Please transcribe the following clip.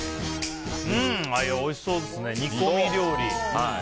おいしそうですね、煮込み料理。